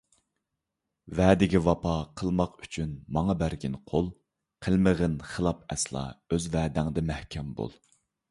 ۋەدىگە ۋاپا قىلماق ئۈچۈن ماڭا بەرگىن قول، قىلمىغىن خىلاپ ئەسلا، ئۆز ۋەدەڭدە مەھكەم بول.